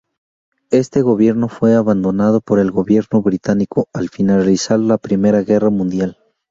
Este respaldo fue abandonado por el gobierno británico al finalizar la Primera Guerra Mundial.